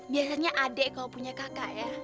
biasanya adik kalau punya kakak ya